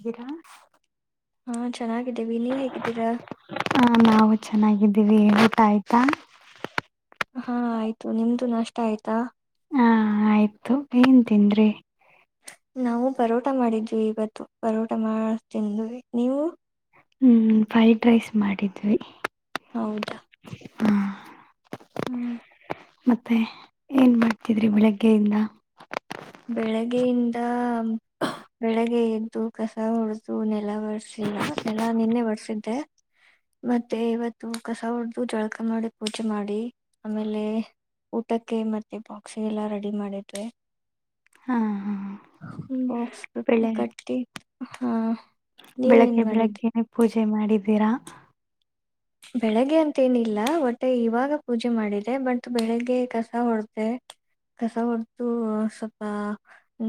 ಇದರಾ ಹಾ ಚೆನ್ನಾಗಿದ್ದೀವಿ ನೀವ್ ಹೇಗಿದ್ದೀರಾ ಚೆನ್ನಾಗಿದ್ದೀರಿ ಊಟ ಆಯ್ತಾ ಹಾ ಆಯ್ತು ನಿಮ್ದು ನಷ್ಟ ಆಯ್ತಾ ಹಾ ಆಯ್ತು ಏನ್ ತನ್್ರಿ ನಾವು ಪರೋಟ ಮಾಡಿದ್ವಿ ಇವತ್ತು ಪರೋಟ ಮಾಡ ತಿಂದು ನೀವು ಹ್ಮ್ ಫ್ರೈಡ್ ರೈಸ್ ಮಾಡಿದ್ವಿ ಹೌದಾ ಹಾ ಹ್ಮ್ ಮತ್ತೆ ಏನ್ ಮಾಡ್ತಿದ್ರಿ ಬೆಳಗ್ಗೆಯಿಂದ ಬೆಳಗ್ಗೆಯಿಂದ ಬೆಳಿಗ್ಗೆ ಎದ್ದು ಕಸ ಉಡ್ದು ನೆ ಎಲ್ಲ ಬರ್ಸಿಲ್ಲ ನೆಲ್ಲಾ ನಿನ್ನೆ ಬರ್ಸಿದ್ದೆ ಮತ್ತೆ ಇವತ್ತು ಕಸ ಹಡ್ದು ಜಳಕ ಮಾಡಿ ಪೂಜೆ ಮಾಡಿ ಆಮೇಲೆ ಊಟಕ್ಕೆ ಮತ್ತೆ ಬಾಕ್ಸ್ ಎಲ್ಲ ರೆಡಿ ಮಾಡಿದ್ರೆ ಹಾ ಹಾ ಬಾಕ್ಸ್ಟ್ಟ ಬೆಳೆ ಕಟ್ಟಿ ಹಾ ನೀವೇನ್ ಬೆಳಗ್ಗೆ ಮಾಡಿದ್ರಿ ಬೆಳಗ್ಗೆ ಪೂಜೆ ಮಾಡಿದೀರಾ ಬೆಳಿಗ್ಗೆ ಅಂತ ಏನಿಲ್ಲ ಒಟ್ಟೆ ಇವಾಗ ಪೂಜೆ ಮಾಡಿದೆ ಬಟ್ ಬೆಳಿಗ್ಗೆ ಕಸ ಹೊಡ್ದ ಕಸ ಹೊಡ್್ದು ಸ್ವಲ್ಪ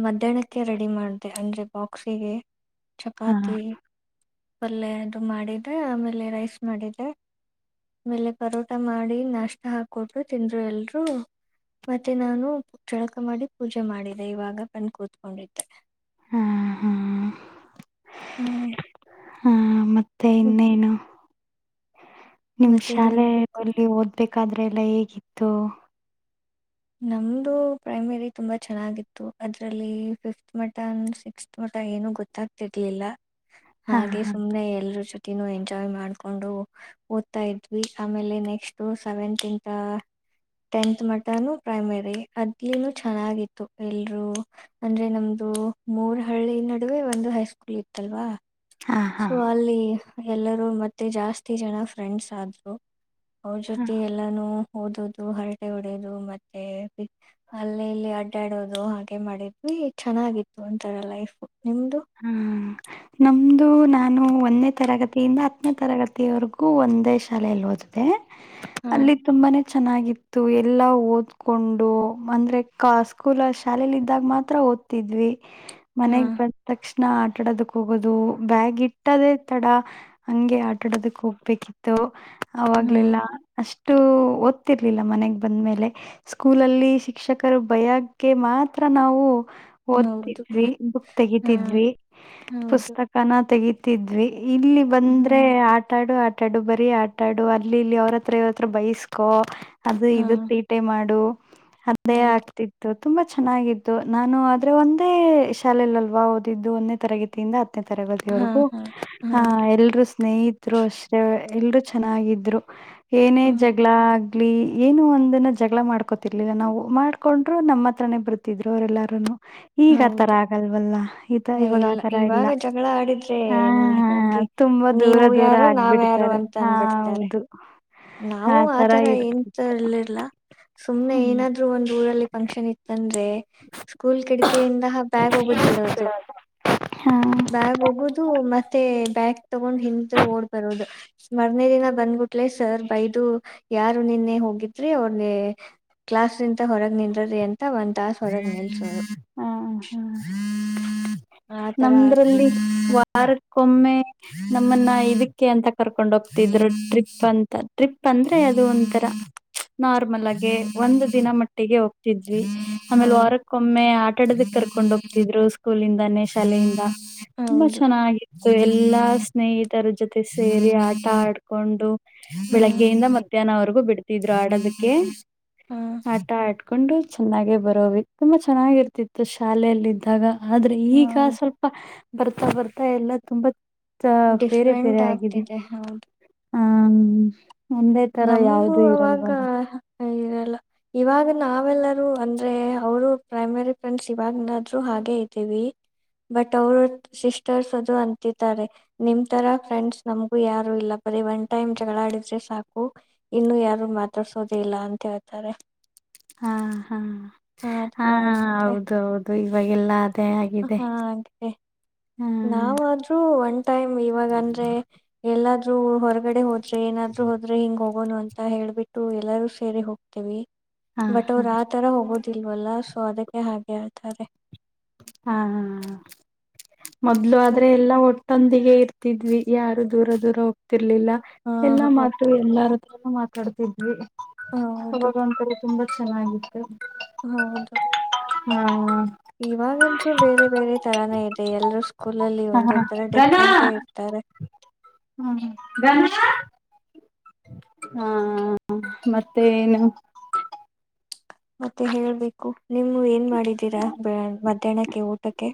ಮಧ್ಯಾಹ್ನಕ್ಕೆ ರೆಡಿ ಮಾಡಿದೆ ಅಂದ್ರೆ ಬಾಕ್ಸಿಗೆ ಹಾ ಚಪಾತಿ ಪಲ್ಲೆ ಅದು ಮಾಡಿದೆ ಆಮೇಲೆ ರೈಸ್ ಮಾಡಿದೆ ಆಮೇಲೆ ಪರೋಟ ಮಾಡಿ ನಾಷ್ಟ ಹಾಕೊಟ್ರು ತಿಂದ್ರು ಎಲ್ರು ಮತ್ತೆ ನಾನು ಜಳಕ ಮಾಡಿ ಪೂಜೆ ಮಾಡಿದೆೆ ಇವಾಗ ಬಂದು ಕೂತ್ಕೊಂಡಿದ್ದೆ ಹಾ ಹಾ ಹ್ಮ್ ಹ್ಮ ಮತ್ತ ಹ್ಮ್ ನಿಮ್ ಮತ್ತೆ ಹೇಳ್ಬೇಕು ಶಾಲೆಯಲ್ಲಿ ಓದ್ಬೇಕಾದ್ರೆ ಎಲ್ಲ ಹೇಗಿತ್ತು ನಮ್ದು ಪ್ರೈಮರಿ ತುಂಬಾ ಚೆನ್ನಾಗಿತ್ತು ಅದ್ರಲ್ಲಿ ಫಿಫತ್ ಮಟನ್ ಸಿಕ್ಸ್ತ್ ಮ ಏನು ಗೊತ್ತಾಗ್ತಿರ್ಲಿಲ್ಲ ಹಾ ಹಾಗೆ ಹಾ ಸುಮ್ನೆ ಎಲ್ರ ಜೊತೆ ಎಂಜಾಯ್ ಮಾಡ್ಕೊಂಡು ಓದ್ತಾ ಇದ್ವಿ ಆಮೇಲೆ next seventh tenth mutton primary ಅದಲ ಚೆನ್ನಾಗಿತ್ತು ಎಲ್ರೂ ಅಂದ್ರೆ ನಮ್ದು ಮೂರ ಹಳ್ಳಿ ನಡುವೆ ಒಂದು ಹೈಸ್ಕೂಲ್ ಇತ್ತಲ್ವಾ ಹಾ ಹಾ ಸೊ ಅಲ್ಲಿ ಎಲ್ಲರೂ ಮತ್ತೆ ಜಾಸ್ತಿ ಜನ ಫ್ರೆಂಡ್ಸ್ ಆದ್ರು ಅವ್ರ ಹಾ ಜೊತೆ ಎಲ್ಲಾನು ಓದುದು ಹರಟ ಹೊಡೆಯದು ಮತ್ತೆ ಅಲ್ಲೇ ಇಲ್ಲಿ ಅಡ್ಡಾಡೋದು ಹಾಗೆ ಮಾಡಿದ್ವಿ ಚೆನ್ನಾಗಿತ್ತು ಒಂತರ ಲೈಫ್ ನಿಮ್ದು ಹ್ಮ್ ನಮ್ದು ನಾನು ಒಂದೇ ತರಗತಿಯಿಂದ ಹತ್ತನೇ ತರಗತಿವರೆಗೂ ಒಂದೇ ಶಾಲೆಯಲ್ಲಿ ಹೋದ ಹಾ ಅಲ್ಲಿ ತುಂಬಾನೇ ಚೆನ್ನಾಗಿತ್ತು ಎಲ್ಲಾ ಓದ್ಕೊಂಡು ಅಂದ್ರೆ ಸ್ಕೂಲ್ ಶಾಲೇಲಿ ಇದ್ದಾಗ ಮಾತ್ರ ಓದ್ತಿದ್ವಿ ಹಾ ಮನೆಗ್ ಬಂದ ತಕ್ಷಣ ಆಟಾಡೋದಕ್ ಹೋಗೋದು ಬ್ಯಾಗ್ ಇಟ್ಟದೇ ತಡ ಹಂಗೆ ಆಟ ಆಡೋದಕ್ ಹೋಗ್ಬೇಕಿತ್ತ ಹಾ ಅವಾಗ್ಲೆಲ್ಲ ಅಷ್ಟು ಒ ಗತಿರ್ಲಿಲ್ಲ ಮನೆಗ್ ಬಂದ ಮೇಲೆ ಸ್ಕೂಲಲ್ಲಿ ಶಿಕ್ಷಕರು ಬಯಕ್ಕೆ ಮಾತ್ರ ನಾವು ಹೌದು ಓದ್ತಿದ್ವಿ ಬುಕ್ ಹಾ ತೆಗತಿದ್ವಿ ಹೌದು ಪುಸ್ತಕನ ತೆಗತಿದ್ವಿ ಇಲ್ಲಿ ಹಾ ಬಂದ್ರೆ ಆಟ ಆಡು ಆ ಆಟಾಡು ಬರೀ ಆಟಾಡು ಅಲ್ಲಿ ಇಲ್ಲಿ ಅವ್ರ ಹತ್ರ ಇವ್ರತ್ರ ಬೈಸ್ಕೊ ಅದು ಇ ಹಾ ತೀಟೆ ಮಾಡು ಅಂದೇ ಹೌದು ಆಗ್ತಿತ್ತು ತುಂಬಾ ಚೆನ್ನಾಗಿದ್ದು ನಾನು ಆದ್ರೆ ಒಂದೇ ಶಾಲೆಯಲ್ಲಿಲ್ವಾ ಒಂದೇ ತರಗತಿಯಿಂದ ಹತ್ತನೇ ಹಾ ತರಗತಿವರೆಗೂ ಹಾ ಹಾ ಹ ಎರುೂ ಸ್ನೇಹಿತರು ಅಷ್ಟೇ ಎಲ್ರೂ ಚೆನ್ನಾಗಿದ್ರು ಏನೇ ಹಾ ಜಗಳ ಗ್ಲಿ ಏನು ಒಂದನ್ನ ಜಗಳ ಮಾಡ್ಕೊತಿರ್ಲಿಲ್ಲ ನಾವು ಮಾಡ್ಕೊಂಡ್ರು ನಮ್ಮ ಹತ್ರನೇ ಬರ್ತಿದ್ರು ಅವರೆ ಎಲ್ಲಾರನು ಈಗ ಆ ತರ ಹೌದು ಆಗಲ್ವಲ್ಲ ಇದ ಇವಾಗ ಇಲ್ಲ ಆತರ ಇಲ್ಲ ಇವಾಗ ಜಗಳ ಆಡಿದ್ರೆ ಹಾ ಹೋಗಿ ತುಂಬಾ ದೂರ ನೀವು ದೂರ ಯಾರು ನಾವ್ಯಾರು ಆಗ್ಬಿಡ್ತಾರೆ ಅಂತ ಹಾ ಅಂದಬಿಡ್ತಾರೆ ಹೌದು ಆ ನಾವು ತರ ಆತರ ಇರ್ತದೆ ಏಂತ ಇರ್ಲ್ಲಿಲ್ಲ ಸುಮ್ನೆ ಹ್ಮ್ ಏನಾದ್ರು ಒಂದ್ ಊರಲ್ಲಿ ಫಂಕ್ಷನ್ ಇತ್ತಂದ್ರೆ ಸ್ಕೂಲ್ ಕಿಡಿಕೆಯಿಂದಹ ಬ್ಯಾಗ್ ಹೋಗದ್ ಬಿಡೋದು ಹಾ ಬ್ಯಾಗ್ ಹೋಗುದು ಮತ್ತೆ ಬ ಕ್ ತಗೊಂಡ್ ಹಿಂದ ಓಡ್ಬರೋದು ಮ್ಮರ್ನೆ ದಿನ ಬಂದ್ಬಿಟ್ಲೆ ಸರ್ ಬೈದು ಯಾರು ನಿನ್ನೆ ಹೋಗಿದ್ರಿ ಅವ್ರ ಕ್ಲಾಸ್ ನಿಂತ ಹೊರಗೆ ನಿಂದ್ರ ಎಂತ ಒಂದ ತಾಸ ಹೊರಗೆ ನಿಲ್ಸೋರು ಹಾ ಹಾ ಆತರ ನಮ್ದ್ರಲ್ಲಿ ಆಗ್ತಿತ್ತು ವಾರಕ್ಕೊಮ್ಮೆ ನಮ್ಮನ್ನ ಇದಕ್ಕೆ ಅಂತ ಕರ್ಕೊಂಡ ಹೋಗ್ತಿದ್ರು ಟ್ರಿಪ್ ಅಂತ ಟ್ರಿಪ್ ಬಂದ್ರೆ ಅದು ಒಂಥರ ನಾರ್ಮಲ್ ಆಗೆ ಒಂದ ದಿನ ಮಟ್ಟಿಗೆ ಹೋಗ್ತಿದ್ವಿ ಹಾ ಆಮೇಲೆ ವಾರಕ್ಕೊಮ್ಮೆ ಆಟಾಡದಕ್ಕೆ ಕರ್ಕೊಂಡ ಹೋಗ್ತಿದ್ರು ಸ್ಕೂಲಿಂದಾನೇ ಶಾಲೆಯಿಂದ ತುಂಬಾ ಹೌದು ಚನ್ನಾಗಿ ಸೊ ಎಲ್ಲಾ ಸ್ನೇಹಿತರ ಜೊತೆ ಸೇರಿ ಆಟ ಆಡ್ಕೊಂಡು ಹಾ ಬೆಳಗ್ಗೆಯಿಂದ ಮಧ್ಯಾಹ್ನವರೆಗೂ ಬಿಡ್ತಿದ್ರು ಆಡೋದಕ್ಕೆ ಹಾ ಆಟ ಆ ಕಕೊಂಡು ಚೆನ್ನಾಗೆ ಬರೋವಿ ತುಂಬಾ ಚೆನ್ನಾಗಿರ್ತಿತ್ತು ಶಾಲಲ್ಲ ಇದಿದ್ದಾಗ ಆದ್ರೆ ಈಗ ಈಗ ಹೌದು ಸ್ವಲ್ಪ ಬರ್ತಾ ಬರ್ತಾ ಎಲ್ಲ ತುಂಬಾ ಬೇರೆ ಡಿಫ್ರೆಂಟ್ ಬೇರೆ ಆಗಿದೆ ಆಗ್ತಿದೆ ಹೌದು ಹ ನಮಂಬು ಅವಾಗ ಇರಲ್ಲ ಇವಾಗ ನಾವೆಲ್ಲ ರು ಅಂದ್ರೆ ಅವರು ಪ್ರೈಮರಿ ಫ್ರೆಂಡ್ಸ್ ಇವಾಗನಾದ್ರು ಹಾಗೆ ಇದ್ದೀವಿ ಬಟ್ ಅವರು ಸಿಸ್ಟರ್ಸ್ ಅದು ಅಂತಾರೆ ನಿಮ್ ತರ ಫ್ರೆಂಡ್ಸ್ ನಮಗು ಯಾರು ಇಲ್ಲ ಬರೀ ಒನ್ ಟೈಮ್ ಜಗಳಾಡಿದ್ರೆ ಸಾಕು ಇನ್ನು ಯಾರು ಮಾತಾಡ್ಸೋದ ಇಲ್ಲ ಅಂತ ಹೇಳ್ತಾರೆ ಹಾ ಹಾ ಆ ಹಾ ತರ ಇರುತ್ತೆ ಹೌದು ಹೌದು ಇವಾಗೆಲ್ಲ ಹಾ ಹಾಗೆ ಹ ನಾವಾದ್ರೂ ಒಂಟ ಟೈಮ್ ಇವಾಗ ಅಂದ್ರೆ ಎಲ್ಲಾದ್ ಹೊರಗಡೆ ಹೋದ್ರೆ ಏನಾದ್ರು ಹೋದ್ರೆ ಹಿಂಗ ಹೋಗ ಹೋ ಅಂತ ಹೇಳ್ಬಿಟ್ಟು ಎಲ್ಲರೂ ಸೇರಿ ಹೋಗ್ತೇವಿ ಹಾ ಬಟ್ ಹಾ ಅವರು ಆ ತರ ಹೋಗೋದು ಲ್ವಲ್ಲ ಸೊ ಅದಕ್ಕೆ ಹಾಗೆ ಹೇಳ್ತಾರೆ ಹಾ ಮೊದ್ಲು ಆದ್ರೆ ಎಲ್ಲಾ ಒಟ್ಟ ತಂದಿಗೆ ಇರ್ತಿದ್ವಿ ಯಾರು ದೂರ ದೂರ ಹೋಗ್ತ ಇರ್ಲಿಲ್ಲ ಹ ಎಲ್ಲಾ ಮಾತು ಹೋಗ್ತಾರೆ ಎಲ್ಲತ್ರ ಮಾತಾಡ್ತಿದ್ವಿ ಹೌದು ಅವಾಗ ಒಂತಡೆ ತುಂಬಾ ಚೆನ್ನಾಗಿತ್ತು ಹೌದು ಹ್ಮ್ ಇವಾಗಂದರು ಬೇರೆ ಬೇರೆ ತರಾನೇ ಇದೆ ಎಲ್ರೂ ಸ್ಕೂಲ್ಲ್ಲಿ ಹಾ ಒಂದೊಂದ್ ತರ ಡಿಫ್ರೆಂಟ ಇರ್ತಾರೆ [inaudible] ಹ್ಮ್ ಹ್ಮ್ ಗ ಹಾ ಮತ್ತೆ ಏನು ಮತ್ತೆ ಹೇಳ್ಬೇಕು ನಿಮ್ ಏನ್ ಮಾಡಿದ್ದೀರಾ ಮಧ್ಯಾಹ್ನಕ್ಕೆ ಊಟಕ್ಕೆ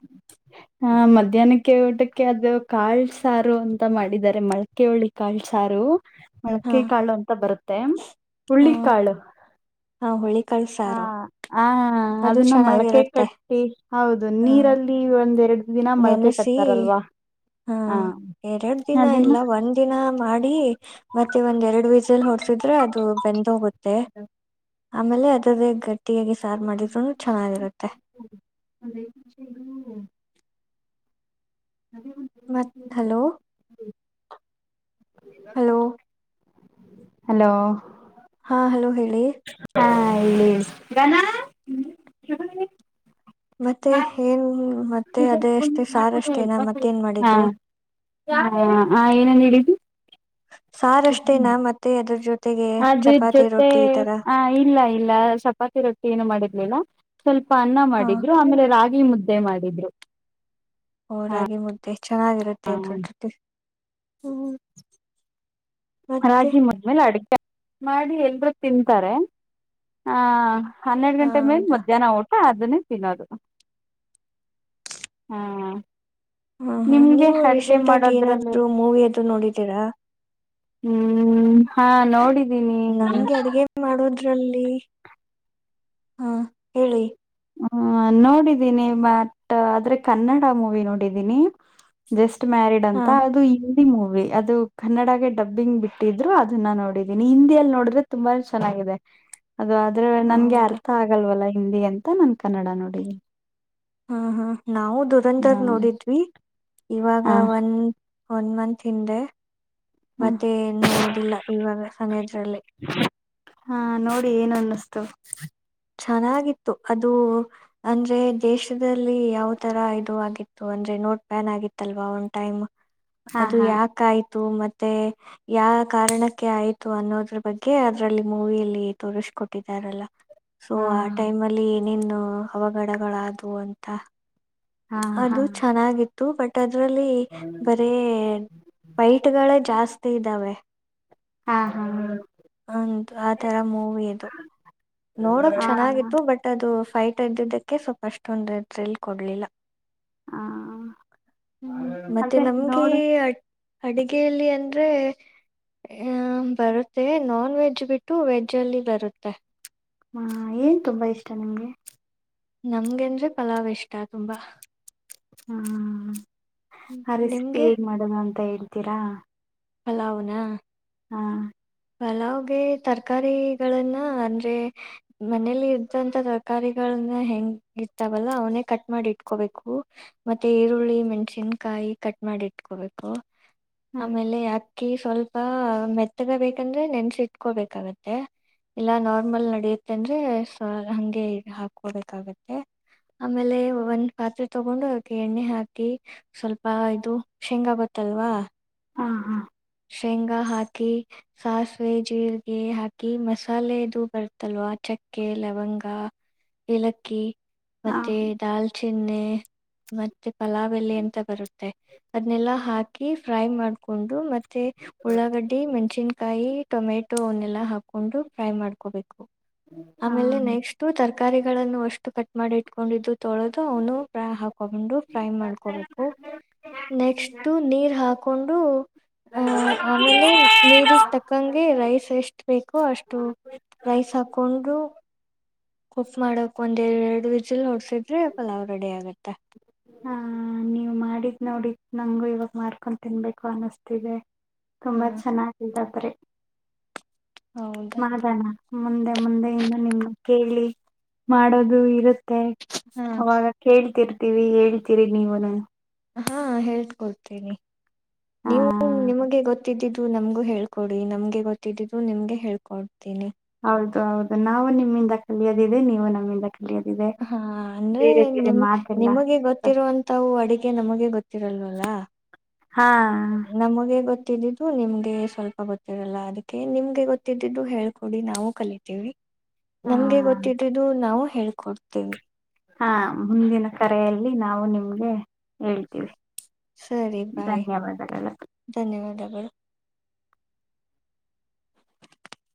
ಹ ಮಧ್ಯಾಹ್ನಕ್ಕೆ ಊಟಕ್ಕೆ ಅದು ಕಾಳ್ ಸಾರು ಅಂತ ಮಾಡಿದ್ದಾರೆ ಮಳಕೆ ಹುಳ್ಳಿ ಕಾಳು ಸಾರು ಹಾ ಮೊಳಕೆ ಕಾಳು ಅಂತ ಬರುತ್ತೆ ಹುಳ್ಳಿ ಕಾಳು ಹ ಸಾರು ಹ ಅದನ್ನ ಮೊಳಕೆ ಕಟ್ಟಿ ಹೌದು ನೀರಲ್ಲಿ ಒಂದೆರಡು ದಿನ ಮೊಳಕೆ ನೆನಸಿ ಕಟ್ತಾರಲ್ವಾ ಹ ಎರಡ್ ದಿನ ಅದನ್ನ ಇಲ್ಲ ಒಂದ್ ದಿನ ಮಾಡಿ ಮತ್ತೆ ಒಂದ್ ಎರಡ್ ವೀಸಲ್ ಹೊಡ್ಸಿದ್ರೆ ಅದು ಬೆಂದೋಗುತ್ತೆ ಆಮೇಲೆ ಅದದೇ ಗಟ್ಟಿ ಒಟ್ಟಿಯಾಗಿ ಸಾರು ಮಾಡಿದ್ರು ಚೆನ್ನಾಗಿರುತ್ತೆ ಹ ಮತ್ ಹಲೋ ಹಲೋ ಹಲೋ ಹಾ ಹಲೋ ಹೇಳಿ ಹಾ ಇಲ್ಲಿಿ ಗಾನ ಮತ್ತೆ ಏನ್ ಮತ್ತೆ ಅದೇ ಅಷ್ಟೇ ಸಾರ ಅಷ್ಟೇನಾ ಮತ್ತೆ ಹಾ ಏನನ್ ಹಿಡಿದು ಸಾರಷ್ಟೇನಾ ಮತ್ತೆ ಅದ್ರ ಜೊತೆಗೆ ಅದ್ರ ಚಪಾತಿ ಜೊತೆ ರೊಟ್ಟಿ ಈ ತರ ಆ ಇಲ್ಲ ಇಲ್ಲ ಸ್ವಪ ಿ ರೊಟ್ಟಿ ಏನು ಮಾಡಿರ್ಲಿಲ್ಲ ಸ್ವಲ್ಪ ಅನ್ನ ಹಾ ಮಾಡಿದ್ರು ಆಮೇಲೆ ರಾಗಿ ಮುದ್ದೆ ಮಾಡಿದ್ರು ಹೋರಾಗಿ ಮುದ್ದೆ ಚೆನ್ನಾಗಿರುತ್ತೆ ದೊಡ್ಡಡ್ ಹ್ಮ ರಾಗಿ ಮಂದ್ಮೇಲೆ ಅಡಗೆ ಮಾಡಿ ಎಲ್ರುೂ ತಿಂತಾರೆ ಆ ಹನ್ನೆರಡು ಹಾ ಗಂಟೆ ಮೇ ಹೌದಾ ಮಧ್ಯಾಹ್ನ ಊಟ ಅದನ್ನೇ ಫೀಲ ಹ್ಮ್ ಹ ಹಾ ನೀವು ರೀಸೆಂಟ್ ಆಗಿ ಏನಾದ್ೂ ಮಾಡೋದ್ರಲ್ಲೆಲ್ಲ ಮೂವಿ ಅದುರು ನೋಡಿದ್ದೀರಾ ಹ್ಮ್ ಹಾ ನೋಡಿದ್ದೀನಿ ಅರಲ್ಲಿ ಹಾ ಹೇಳಿ ಹ್ಮ ನೋಡಿದೀನಿ ಬಟ್ ಆದ್ರೆ ಕನ್ನಡ ಮೂವಿ ನೋಡಿದ್ದೀನಿ ಜಸ್ಟ್ ಮ್ಯಾರಿಡ್ ಹಾ ಅಂತ ಅದು ಮೂವಿ ಅದು ಕನ್ನಡಗೆ ಡಬ್ಬಿಂಗ್ ಬಿಟ್ಟಿದ್ರು ಅದನ್ನ ನೋಡಿದೀನಿ ಹಿಂದಿಯಲ್ಲಿ ನೋಡಿದ್ರೆ ತುಂಬಾ ಚೆನ್ನಾಗಿದೆ ಅದು ಆದ್ರೆ ನನ್ಗೆ ಹೌದಾ ಅರ್ಥ ಆಗಲ್ವಲ್ಲ ಹಿಂದಿ ಅಂತ ನನ್ ಕನ್ನಡ ನೋಡಿ ಹ್ಮ್ ಹ್ಮ ನಾವು ದುರಧರ್ ನೋಡಿದ್ವಿ ಇವಾಗ ಹ ಒಂದ ಒನ್ ಮಂತ್ ಹಿಂದೆ ಹ ಮತ್ತೆ ನೋಡಿಲ್ಲ ಇವಾಗ ಮನದ್ರಲ್ಲಿ ಹಾ ನೋಡಿ ಏನು ಅನ್ನಿಸ್ತು ಚೆನ್ನಾಗಿತ್ತು ಅದು ಅಂದ್ರೆ ದೇಶದಲ್ಲಿ ಯಾವ ತರ ಇದು ಆಗಿತ್ತು ಅಂದ್ರೆ ನೋಟ್ ಪ್ಯಾನ್ ಆಗಿತ್ತಲ್ವಾ ಒನ್ ಟೈಮ್ ಹಾ ಅದು ಹಾ ಯಾಕ ಆಯ್ತ ಮತ್ತೆ ಯಾ ಕಾರಣಕ್ಕೆ ಆಯ್ತು ಅನ್ನೋದ್ರ ಬಗ್ಗೆ ಅದ್ರಲ್ಲಿ ಮೂವಿಯಲ್ಲಿ ತೋರಿಸ ಕೊಟ್ಟಿದ್ದಾರಲ್ಲ ಸೊ ಹಾ ಆ ಟೈಮ್ ಅಲ್ಲಿ ಏನೇನು ಅವಘಡಗಳಾದವು ಅಂತ ಹಾ ಹಾ ಅದು ಚೆನ್ನಾಗಿತ್ತು ಬಟ್ ಅದು ಅದರಲ್ಲಿ ಬರೀ ಬೈಟ್ಗಳೇ ಜಾಸ್ತಿ ಇದ್ದಾವೆ ಹಾ ಹಾ ಹ ಹಂದು ಆ ತರ ಮೂವಿದು ನೋಡಕ್ ಹಾ ಚೆನ್ನಾಗಿತ್ತು ಬಟ್ ಅದು ಫೈಟ್ ಎ್ದಿದ್ದಕ್ಕೆ ಸ್ವಲ್ಪ ಅಷ್ಟೊಂದು ಥ್ರಿಲ್ ಕೊಡ್ಲಿಲ್ಲ ಹಾ ಹ್ಮ್ ಮತ್ತೆ ಅದೇ ನಮ್ಗೆ ನೋಡ ಅಡಿಗೆಯಲ್ಲಿ ಅಂದ್ರೆ ಹ ಬರುತ್ತೆ ನಾನ್ ವೆಜ್ ಬಿಟ್ಟು ವೆಜ್ ಅಲ್ಲಿ ಬರುತ್ತೆ ಹಾ ಏನ್ ತುಂಬಾ ಇಷ್ಟ ನಿಮ್ಗೆ ನಮ್ಗೆ ಅಂದ್ರೆ ಪಲಾವ್ ಇಷ್ಟ ತುಂಬಾ ಹ್ಮ ಹ್ಮ್. ಆ ರೆಸಪಿ ನಿಮ್ಗೆ ಹೇಗ್ ಮಾಡಣ ಅಂತ ಹೇಳ್ತೀರಾ ಪಲಾವ್ ನಾ ಹಾ ಪಲಾವ್ಗೆ ತರಕಾರಿಗಳನ್ನ ಅಂದ್ರೆ ಮನೇಲಿ ಇದ್ದಂತ ತರಕಾರಿಗಳು ಹೆಂಗ ಇರ್ತಾವಲ್ಲ ಅವನೇ ಕಟ್ ಮಾಡಿ ಇಟ್ಕೋಬೇಕು ಮತ್ತೆ ಈರುಳ್ಳಿ ಮೆಣ್ಸಿನ್ಕಾಯಿ ಕಟ್ ಮಾಡಿ ಇಟ್ಕೋಬೇಕು ಹಾ ಆಮೇಲೆ ಅಕ್ಕಿ ಸ್ವಲ್ಪ ಮೆತ್ತಗ ಬು ಯಾಕಂದ್ರೆ ನೆನ್ಸು ಇಟ್ಕೋಬೇಕಾಗತ್ತೆ ಇಲ್ಲಾ ನಾರ್ಮಲ್ ನಡಿಯತ್ತೆ ಅಂದ್ರೆ ಹಂಗೆ ಹಾಕಕೋಬೇಕಾಗತ್ತೆ ಆಮೇಲೆ ಒಂದ್ ಪಾತ್ರೆ ತಗೊಂಡು ಅದಕ್ಕೆ ಎಣ್ಣೆ ಹಾಕಿ ಸ್ವಲ್ಪ ಇದು ಶೇಂಗ ಆಗತ್ತೆ ತಲ್ವಾ ಹಾಂ ಹಾಂ ಶೇಂಗಾ ಹಾಕಿ ಸಾಸಿವೆ ಜೀರಿಗೆ ಹಾಕಿ ಮಸಾಲೆದು ಬರ್ತಲ್ ಚಕ್ಕೆ ಲವಂಗ ಏಲಕ್ಕಿ ಹಾ ಮತ್ತೆ ದಾಲ್ಚಿ ಏಣ್ಣೆ ಮತ್ತೆ ಪಲಾವ್ ಎಲೆ ಅಂತ ಬರುತ್ತೆ ಅದನೆಲ್ಲಾ ಹಾಕಿ ಫ್ರೈ ಮಾಡ್ಕೊಂಡು ಮತ್ತೆ ಉಳ್ಳ ಗಡ್ಡಿ ಮೆನ್ಸಿನ್ ಮೆಣೇಸಿನ್ಕಾಯಿ ಟೊಮೆಟೊ ಅವನ್ನೆಲ್ಲಾ ಹಾಕೊಂಡು ಫ್ರೈ ಮಾಡ್ಕೋಬೇಕು ಹಾ ಆಮೇಲೆ ನೆಕ್ಸ್ಟ್ ತರ್ಕಾರಿ ತರ್ಕಾರಿಗಳನ್ನು ಅಷ್ಟು ಕಟ್ ಮಾಡಿ ಇಟ್ಕೊಂಡಿದ್ದು ತೊಳೋದು ಅವನು ಹಾಕೊಂಡೊಂಡು ಫ್ರೈ ಮಾಡ್ಕೋಬೇಕು ಹಾ ನೆಕ್ಸ್ಟ್ ನೀರ್ ಹಾಕೊಂಡು ಹಹ ಆಮೇಲೆ ನೀರಿಗ್ ತಕ್ಕಂಗೆ ರೈಸ್ ಎಷ್ಟ್ ಬೇಕೋ ಅಷ್ಟು ರೈಸ್ ಹಾಕೊಂಡು ಕುಫ್ ಮಾಡಕ್ ಒಂದ್ ಎರಡು ವಿಸಿಲ್ ನೋಡ್ಸಿದ್ರೆ ಯಲ್ಲ ಅವ ರೆಡಿ ಆಗತ್ತೆ ನಡಿದ್ ನೋಡಿದ ನಂಗು ಇವಾಗ ಮಾರ್ಕೊಂಡ್ ತಿನ್ಬೇಕು ಅನಸ್ತಿದೆ ಹಾ ತುಂಬಾ ಚೆನ್ನಾಗಿದಾದ್ರೆ ಹೌದಾ ಮಾಡೋಣ ಮುಂದೆ ಮುಂದೆ ಇನ್ನು ನಿಮ್ಮ ಕೇಳಿ ಮಾಡೋದು ಇರುತ್ತೆ ಹಾ ಮತ್ತೆ ಅವಾಗ ಕೇಳ್ತಿರ್ತೀವಿ ಹೇಳ್ತೀರಿ ನೀವು ಹಾ ಹೇಳ್ ಕೊಡ್ತೀನಿ ಹಾ ನೀವು ನಿಮಗೆ ಗೊತ್ತಿದ್ದಿದ್ದು ನಮ್ಗೂ ಹೇಳ್ಕೊಡಿ ನಮ್ಗೆ ಗೊತ್ತಿದ್ದಿದು ನಿಮ್ಗೆ ಹೇಳ್ಕೊಡ್ತೀನಿ ಹೌದು ಹೌದು ನಾವು ನಿಮ್ಮಿಂದ ಕಲಿಯೋದಿದೆ ನೀವು ನಮ್ಮಿಂದ ಕಲಿಯೋದಿದೆ ಹಾ ಅಂದ್ರೆ ಬೇರೆ ಬೇರೆ ನಿಮ್ ಮಾತೆಲ್ಲ ನಿಮಗೆ ಗೊತ್ತಿರುವಂತವು ಅಡುಗೆ ಎ ನಮಗೆ ಗೊತ್ತಿರಲ್ವಲ್ಲ ಹಾ ನಮಗೆ ಗೊತ್ ಗೊತ್ತಿದ್ದಿದ್ದು ನಿಮ್ಗೆ ಸ್ವಲ್ಪ ಗೊತ್ತಿರಲ್ಲ ಅದಕ್ಕೆ ನಿಮ್ಗೆ ಗೊತ್ತಿದ್ದಿದ್ದು ಹೇಳ್ಕೊಡಿ ನಾವವು ಕಲಿತೀವಿ ಹಾ ನಮ್ಗೆ ಗೊತ್ತಿದ್ದು ನಾವು ಹೇಳ್ಕೊಡ್ತೇವಿ ಹಾ ಮುಂದಿನ ಕರೆಯಲ್ಲಿ ನಾವು ನಿಮ್ಗೆ ಹೇಳ್ತೀವಿ ಸರಿ ಬಾಯ್ ಧನ್ಯವಾದಗಳು. ಧನ್ಯವಾದಗಳು